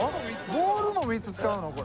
ボールも３つ使うの？